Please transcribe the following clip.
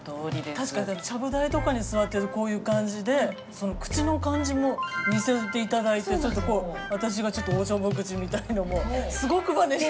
確かにちゃぶ台とかに座ってるとこういう感じで口の感じも似せて頂いてちょっとこう私がちょっとおちょぼ口みたいのもすごくまねして。